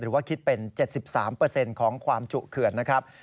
ว่าคิดเป็น๗๓ของความจุเขื่อนนะครับ